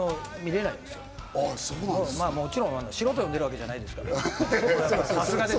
もちろん素人が読んでるわけじゃないですけど。